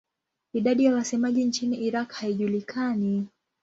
Idadi ya wasemaji nchini Iraq haijulikani.